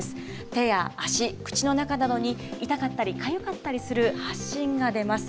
手や足、口の中などに、痛かったり、かゆかったりする発疹が出ます。